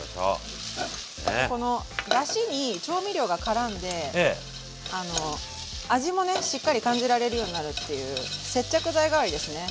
このだしに調味料がからんで味もねしっかり感じられるようになるっていう接着剤代わりですね